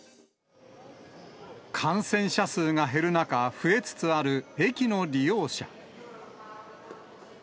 感染者数が減る中、増えつつある駅の利用者。